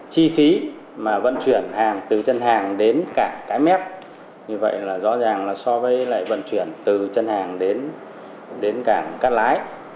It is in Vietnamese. chi phí mà vận chuyển hàng từ chân hàng đến cảng cái mép vì vậy là rõ ràng là so với lại vận chuyển từ chân hàng đến cảng cát lái